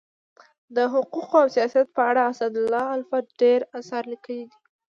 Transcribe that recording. د حقوقو او سیاست په اړه اسدالله الفت ډير اثار لیکلي دي.